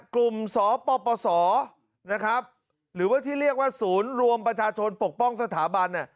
สปสนะครับหรือว่าที่เรียกว่าศูนย์รวมประชาชนปกป้องสถาบัน